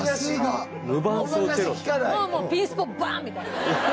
もうもうピンスポバンッ！みたいな。